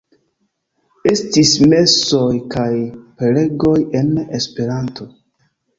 Estis mesoj kaj prelegoj en Esperanto.